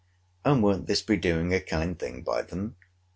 And won't this be doing a kind thing by them?